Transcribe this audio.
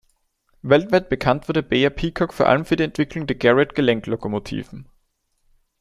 Weltweit bekannt wurde Beyer-Peacock vor allem für die Entwicklung der Garratt-Gelenklokomotiven.